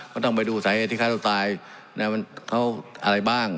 ก็ต้องไปดูสาเหตุที่ฆ่าตัวตายอะไรบ้าง